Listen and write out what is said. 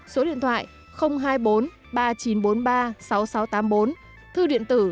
số điện thoại hai mươi bốn ba nghìn chín trăm bốn mươi ba sáu nghìn sáu trăm tám mươi bốn